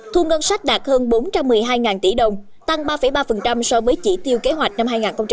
thu ngân sách đạt hơn bốn trăm một mươi hai tỷ đồng tăng ba ba so với chỉ tiêu kế hoạch năm hai nghìn một mươi chín